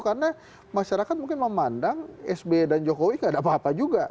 karena masyarakat mungkin memandang sby dan jokowi nggak ada apa apa juga